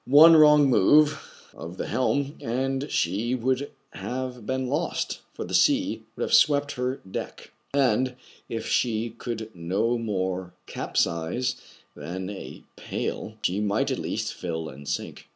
One wrong move of the helm, and she would have been lost, for the sea would have swept her deck; and, if she could no more capsize than a pail, she might at least fill and sink.